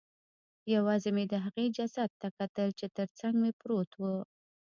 یوازې مې د هغې جسد ته کتل چې ترڅنګ مې پروت و